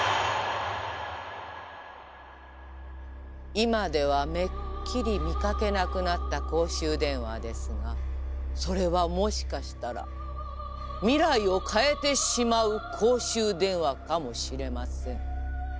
今ではめっきり見かけなくなった公衆電話ですがそれはもしかしたら未来を変えてしまう公衆電話かもしれません。